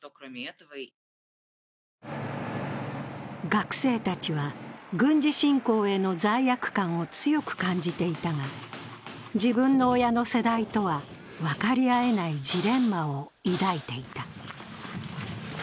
学生たちは軍事侵攻への罪悪感を強く感じていたが、自分の親の世代とは分かり合えないジレンマを抱いていた。